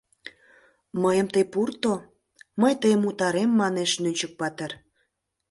— Мыйым тый пурто, мый тыйым утарем, манеш Нӧнчык-патыр.